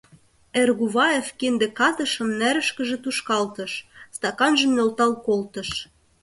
Эргуваев кинде катышым нерышкыже тушкалтыш, стаканжым нӧлтал колтыш.